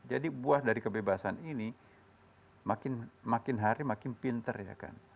jadi buah dari kebebasan ini makin hari makin pintar ya kan